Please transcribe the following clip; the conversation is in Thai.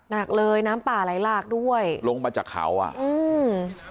หนักเลยน้ำป่าไหลหลากด้วยลงมาจากเขาอ่ะอืม